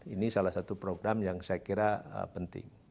ini salah satu program yang saya kira penting